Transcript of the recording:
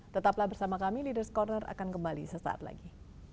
tetaplah bersama kami leaders corner akan kembali sesaat lagi